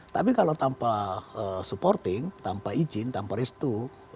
tapi kalau tanpa supporting tanpa izin tanpa restu